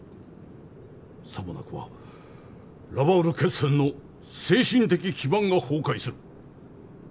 さもなくばラバウル決戦の精神的基盤が崩壊する。